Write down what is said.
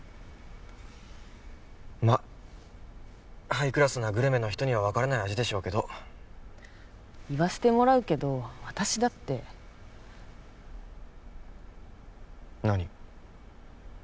まっハイクラスなグルメの人には分からない味でしょうけど言わせてもらうけど私だって何？